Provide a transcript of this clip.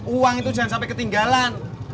uang itu jangan sampai ketinggalan